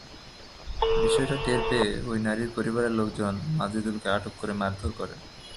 বিষয়টি টের পেয়ে ওই নারীর পরিবারের লোকজন মাজেদুলকে আটক করে মারধর করেন।